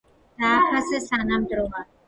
დააფასე სანამ დროა